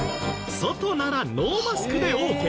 外ならノーマスクでオーケー。